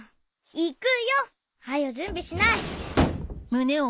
行・く・よ！はよ準備しない！